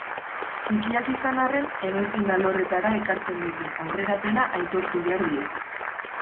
Txikiak izan arren, edozein alorretara ekartzen duten aurrerapena aitortu behar diegu.